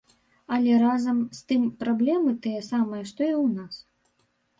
Але разам з тым праблемы тыя самыя, што і ў нас.